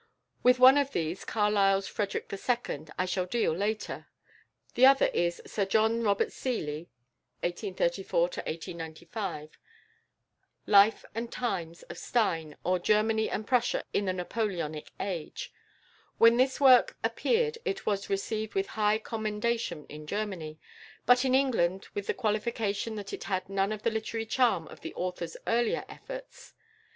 With one of these, Carlyle's "Frederick II.," I shall deal later; the other is =Sir John Robert Seeley's (1834 1895)= "Life and Times of Stein; or, Germany and Prussia in the Napoleonic Age." When this work appeared it was received with high commendation in Germany, but in England with the qualification that it had none of the literary charm of the author's earlier efforts.